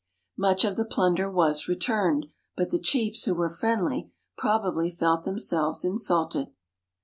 Much of the plunder was returned. But the chiefs, who were friendly, probably felt themselves insulted.